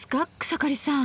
草刈さん。